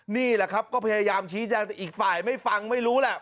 นี่แหละครับก็พยายามชี้แจงแต่อีกฝ่ายไม่ฟังไม่รู้แหละ